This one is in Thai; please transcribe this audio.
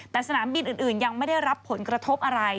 แต่สนามบินอื่นยังไม่ได้รับผลกระทบอะไร